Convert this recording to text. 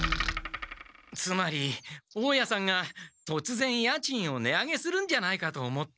つまり大家さんがとつぜん家賃を値上げするんじゃないかと思って。